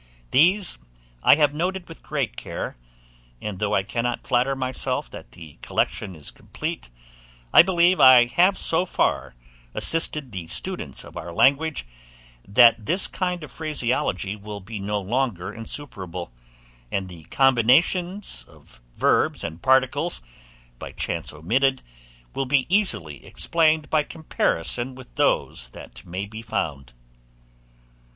These I have noted with great care; and though I cannot flatter myself that the collection is complete, I believe I have so far assisted the students of our language, that this kind of phraseology will be no longer insuperable; and the combinations of verbs and particles, by chance omitted, will be easily explained by comparison with those that may be found.